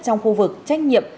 trong khu vực trách nhiệm